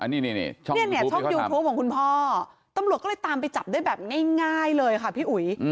นี่ช่องยูทูปของคุณพ่อตำรวจก็เลยตามไปจับได้แบบง่ายเลยค่ะพี่อุ๋ย